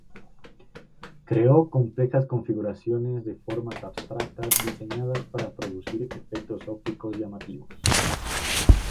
Creó complejas configuraciones de formas abstractas diseñadas para producir efectos ópticos llamativos.